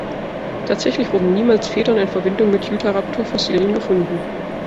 Tatsächlich wurden niemals Federn in Verbindung mit "Utahraptor"-Fossilien gefunden.